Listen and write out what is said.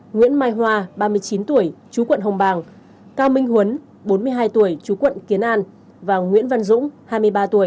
nguyễn mai hoa ba mươi chín tuổi chú quận hồng bàng cao minh huấn bốn mươi hai tuổi chú quận kiến an và nguyễn văn dũng hai mươi ba tuổi